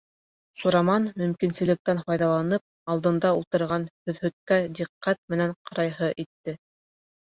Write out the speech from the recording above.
Сураман мөмкинселектән файҙаланып алдында ултырған һөҙһөткә диҡҡәт менән ҡарайһы итте.